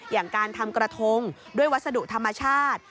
อย่างการทำกระทงด้วยวัสดุธรรมชาติ